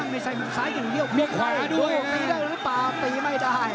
ไม่ใช่ซ้ายอย่างเดียวนะไม่ใช่ซ้ายอย่างเดียวตีได้หรือเปล่าตีไม่ได้